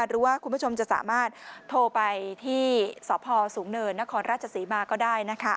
คุณผู้ชมจะสามารถโทรไปที่สพสูงเนินนครราชศรีมาก็ได้นะคะ